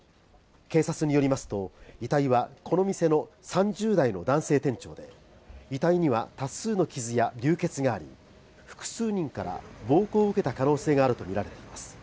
警察によりますと、遺体はこの店の３０代の男性店長で、遺体には多数の傷や流血があり、複数人から暴行を受けた可能性があるとみられています。